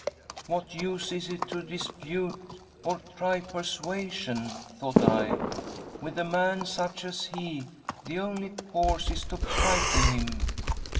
' What use is it to dispute or try persuasion ?' thought I. ' With a man such as he, the only course is to frighten him.'